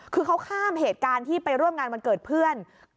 คือเขาข้ามเหตุการณ์ที่ไปร่วมงานวันเกิดเพื่อน